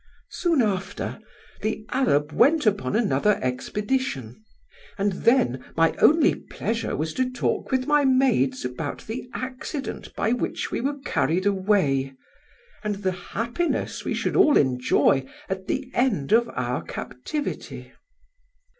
Soon after, the Arab went upon another expedition, and then my only pleasure was to talk with my maids about the accident by which we were carried away, and the happiness we should all enjoy at the end of our captivity."